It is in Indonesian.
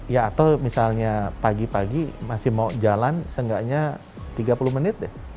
ya atau misalnya pagi pagi masih mau jalan seenggaknya tiga puluh menit deh